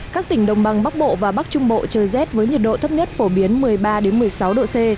các tỉnh đồng bằng bắc bộ và bắc trung bộ trời rét với nhiệt độ thấp nhất phổ biến một mươi ba một mươi sáu độ c